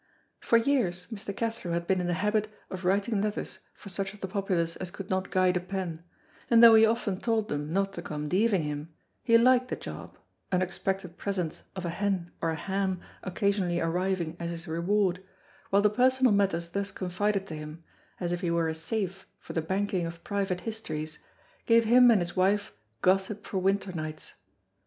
For years Mr. Cathro had been in the habit of writing letters for such of the populace as could not guide a pen, and though he often told them not to come deaving him he liked the job, unexpected presents of a hen or a ham occasionally arriving as his reward, while the personal matters thus confided to him, as if he were a safe for the banking of private histories, gave him and his wife gossip for winter nights.